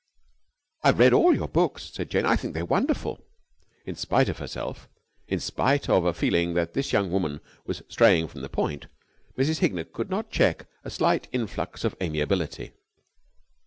"I've read all your books," said Jane. "I think they're wonderful." In spite of herself, in spite of a feeling that this young woman was straying from the point, Mrs. Hignett could not check a slight influx of amiability.